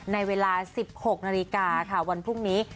ในเวลา๑๖นาฬิกาค่ะวันพรุ่งนี้